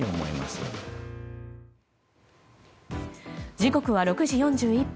時刻は６時４１分。